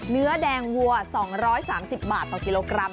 เนื้อแดงวัว๒๓๐บาทต่อกิโลกรัม